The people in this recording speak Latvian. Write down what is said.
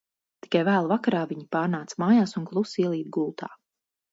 Tikai vēlu vakarā viņi pārnāca mājās un klusi ielīda gultā.